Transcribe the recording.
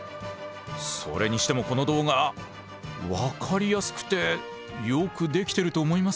それにしてもこの動画分かりやすくてよくできてると思いません？